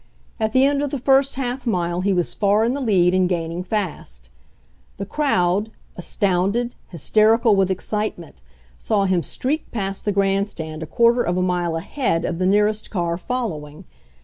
At the end of the first half mile he was far in the lead and gaining fast. The crowd, astounded, hysterical with excite ment, saw him streak past the grandstand a quar ter of a mile ahead of the nearest car following.